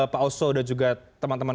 pak oso dan juga teman teman